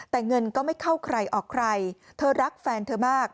แต่เงินก็ไม่เข้าใครออกใครเธอรักแฟนเธอมาก